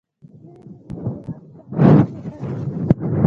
هیلې مې د فراق په خاوره کې ښخې شوې.